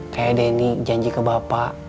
kayak denny janji ke bapak